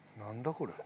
これ。